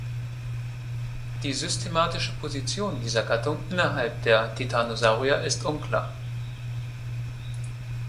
Die Systematische Position dieser Gattung innerhalb der Titanosauria ist unklar.